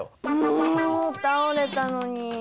もう倒れたのに。